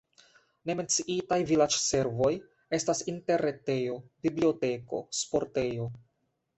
Ne menciitaj vilaĝservoj estas interretejo, biblioteko, sportejo.